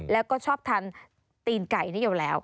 แล้วก็ชอบทานตีนไก่นิยมแล้ว